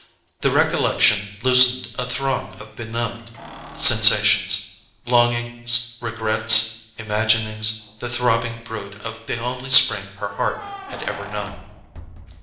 The recollection loosened a throng of benumbed sensations—longings, regrets, imaginings, the throbbing brood of the only spring her heart had ever known.